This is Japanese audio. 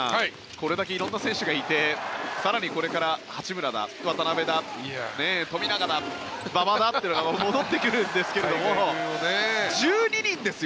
これだけ色んな選手がいて更にこれから八村だ、渡邊だ富永だ、馬場だって戻ってくるんですけども１２人ですよ。